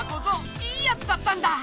いいヤツだったんだ！